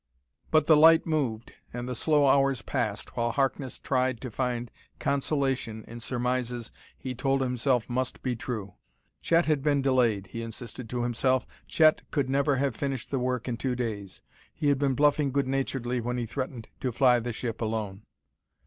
But the light moved, and the slow hours passed, while Harkness tried to find consolation in surmises he told himself must be true. Chet had been delayed, he insisted to himself; Chet could never have finished the work in two days; he had been bluffing good naturedly when he threatened to fly the ship alone....